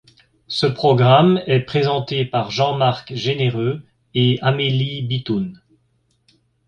Ce programme est présenté par Jean-Marc Généreux et Amélie Bitoun.